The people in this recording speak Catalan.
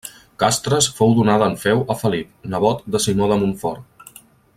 Castres fou donada en feu a Felip, nebot de Simó de Montfort.